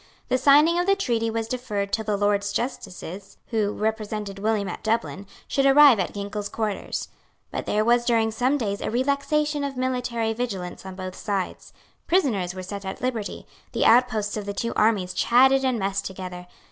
The signing of the treaty was deferred till the Lords justices, who represented William at Dublin, should arrive at Ginkell's quarters. But there was during some days a relaxation of military vigilance on both sides. Prisoners were set at liberty. The outposts of the two armies chatted and messed together.